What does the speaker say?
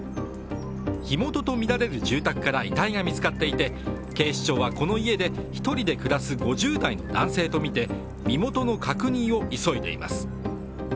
火元とみられる住宅から遺体が見つかっていて警視庁は、この家で１人で暮らす５０代の男性とみて身元の確認を急いでいます。